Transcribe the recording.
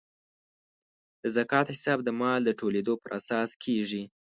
د زکات حساب د مال د ټولیدو پر اساس کیږي.